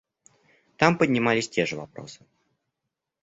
Там поднимались те же вопросы.